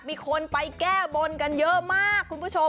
มีคนไปแก้บนกันเยอะมากคุณผู้ชม